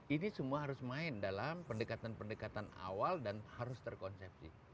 ini semua harus main dalam pendekatan pendekatan awal dan harus terkonsepsi